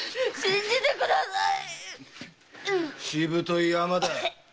しぶといアマだ。